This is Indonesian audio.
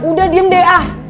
udah diem deh ah